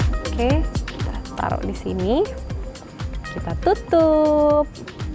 oke kita taruh di sini kita tutup